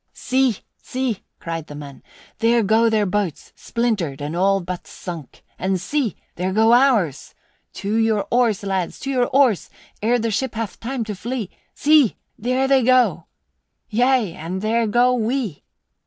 "See! See!" cried the men. "There go their boats, splintered and all but sunk! And see! There go ours! To your oars, lads, to your oars, ere their ship hath time to flee! See! There they go! Yea, and there go we!"